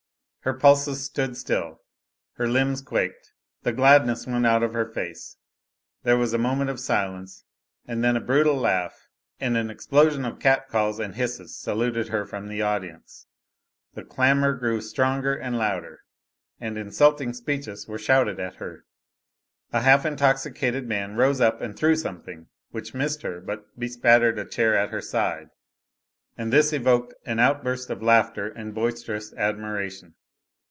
Her pulses stood still, her limbs quaked, the gladness went out of her face. There was a moment of silence, and then a brutal laugh and an explosion of cat calls and hisses saluted her from the audience. The clamor grew stronger and louder, and insulting speeches were shouted at her. A half intoxicated man rose up and threw something, which missed her but bespattered a chair at her side, and this evoked an outburst of laughter and boisterous admiration.